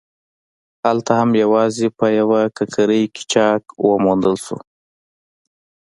هلته هم یوازې په یوه ککرۍ کې چاک وموندل شو.